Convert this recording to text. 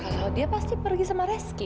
kalau dia pasti pergi sama reski